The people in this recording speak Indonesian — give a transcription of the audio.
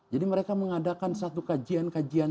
jadi mereka mengadakan satu kajian kajian